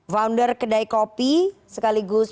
founder kedai kopi sekaligus